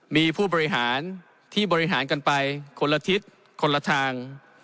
มีผู้บริหารที่บริหารกันไปคนละทิศคนละทาง